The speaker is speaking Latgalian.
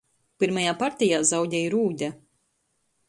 Pyrmajā partejā zaudej Rūde.